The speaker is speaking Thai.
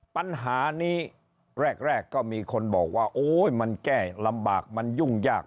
ปัญหานี้แรกก็มีคนบอกว่าโอ๊ยมันแก้ลำบากมันยุ่งยาก